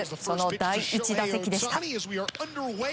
その第１打席でした。